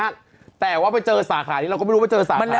แต่ว่าไปเจอสาขานี้เราก็ไม่รู้ไปเจอสาขาไหน